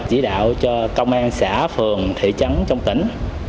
chỉ đạo cho công an xã phường thị trấn trong tỉnh